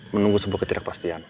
menunggu sebuah ketidakpastian